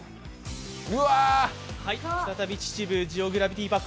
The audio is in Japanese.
再び秩父ジオグラビティパーク。